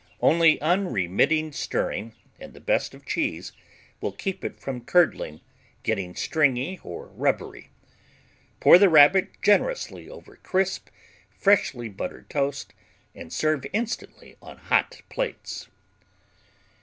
Only unremitting stirring (and the best of cheese) will keep it from curdling, getting stringy or rubbery. Pour the Rabbit generously over crisp, freshly buttered toast and serve instantly on hot plates.